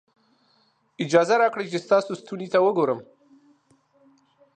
اجازه راکړئ چې ستا ستوني ته وګورم.